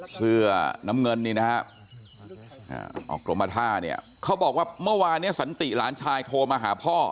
เสื้อน้ำเงินนี่นะฮะออกกรมท่าเนี่ยเขาบอกว่าเมื่อวานเนี่ยสันติหลานชายโทรมาหาพ่อ